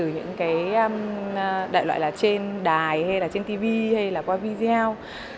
những cái đại loại là trên đài hay là trên tv hay là qua video